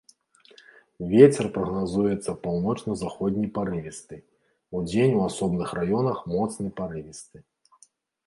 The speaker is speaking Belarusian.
Вецер прагназуецца паўночна-заходні парывісты, удзень у асобных раёнах моцны парывісты.